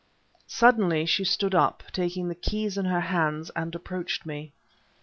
Suddenly she stood up, taking the keys in her hands, and approached me.